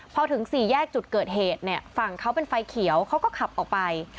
พอถึงสี่แยกจุดเกิดเหตุเนี่ยฝั่งเขาเป็นไฟเขียวเขาก็ขับออกไป